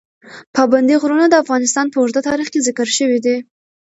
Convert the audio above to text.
پابندی غرونه د افغانستان په اوږده تاریخ کې ذکر شوی دی.